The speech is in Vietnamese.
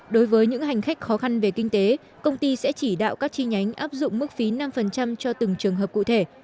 đối với những hành khách khó khăn về kinh tế công ty sẽ chỉ đạo các chi nhánh áp dụng mức phí năm cho từng trường hợp cụ thể